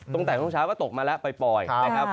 ตั้งแต่พรุ่งเช้าก็ตกมาแล้วปล่อย